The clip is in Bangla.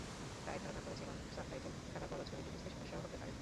তাই ধারণা করেছিলাম, সাবটাইটেল থাকার পরও ছবিটি বুঝতে সমস্যা হতে পারে।